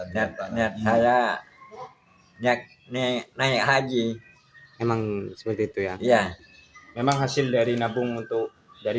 lihat saya nyak naik haji memang seperti itu ya ya memang hasil dari nabung untuk dari